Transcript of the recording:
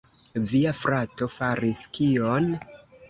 Via frato faris kion?